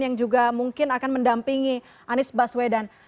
yang juga mungkin akan mendampingi anies baswedan